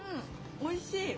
おいしい。